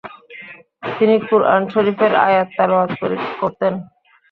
তিনি কুরআন শরীফের আয়াত তেলাওয়াত করতেন।